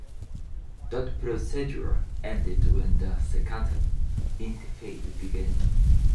That procedure ended when the Second Intifada began.